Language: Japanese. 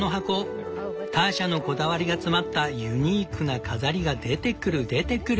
ターシャのこだわりが詰まったユニークな飾りが出てくる出てくる。